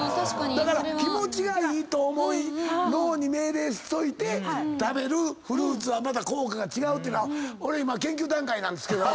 だから気持ちがいいと思い脳に命令しといて食べるフルーツはまた効果が違うっていうのを俺今。